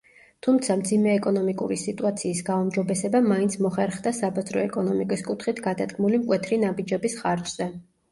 თუმცა მძიმე ეკონომიკური სიტუაციის გაუმჯობესება მაინც მოხერხდა საბაზრო ეკონომიკის კუთხით გადადგმული მკვეთრი ნაბიჯების ხარჯზე.